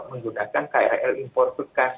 menggunakan krl impor bekas